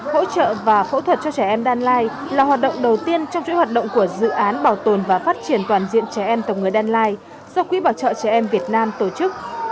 hỗ trợ và phẫu thuật cho trẻ em đan lai là hoạt động đầu tiên trong chuỗi hoạt động của dự án bảo tồn và phát triển toàn diện trẻ em tổng người đan lai do quỹ bảo trợ trẻ em việt nam tổ chức